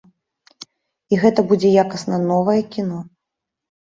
І гэта будзе якасна новае кіно.